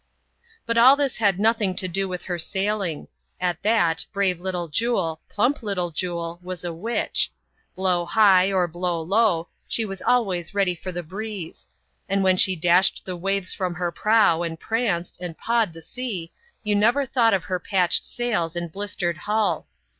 But all this had nothing to do with her sailing; at that, brave Little Jule, plump Little Jule, was a witch. Blow high, or blow low, she was always ready for the breeze ; and when she dashed the waves from her prow, and pranced, and pawed the sea, you never thought of her patched sails and blistered hull.